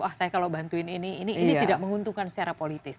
wah saya kalau bantuin ini ini tidak menguntungkan secara politis